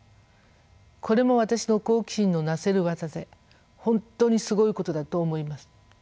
これも私の好奇心のなせる業で本当にすごいことだと思います。